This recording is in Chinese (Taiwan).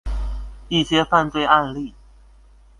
一些犯罪案例